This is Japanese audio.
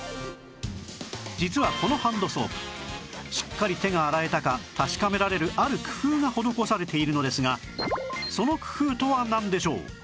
実はこのハンドソープしっかり手が洗えたか確かめられるある工夫が施されているのですがその工夫とはなんでしょう？